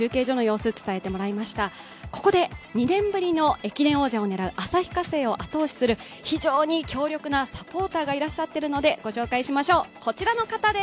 ここで２年ぶりの駅伝王者を狙う旭化成を後押しする非常に強力なサポーターがいらっしゃっているので御紹介しましょう。